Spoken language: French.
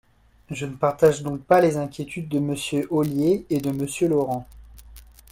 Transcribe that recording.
Je ne partage donc pas les inquiétudes de Monsieur Ollier et de Monsieur Laurent.